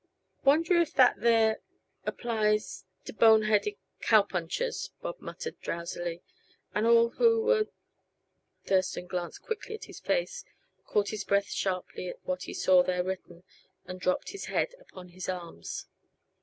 "Wonder if that there applies to bone headed cowpunchers," Bob muttered drowsily. "'And all who would " Thurston glanced quickly at his face; caught his breath sharply at what he saw there written, and dropped his head upon his arms.